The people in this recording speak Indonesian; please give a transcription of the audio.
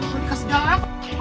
aku dikasih jalan apa